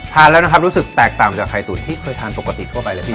ทานแล้วนะครับรู้สึกแตกต่างจากไข่ตุ๋นที่เคยทานปกติทั่วไปเลยพี่